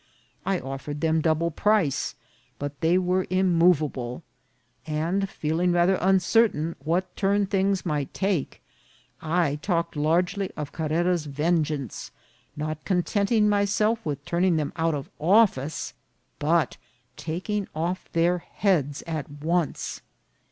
I offered them double price, but they were immovable ; and feeling rather uncertain what turn things might take, I talked largely of Carrera's vengeance, not contenting myself with turning them out of office, but taking off their heads at once.